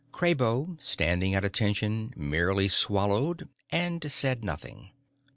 Kraybo, standing at attention, merely swallowed and said nothing.